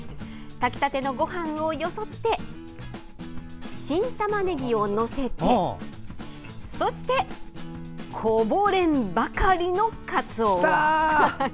炊きたてのごはんをよそって新たまねぎを載せてこぼれんばかりのかつおを。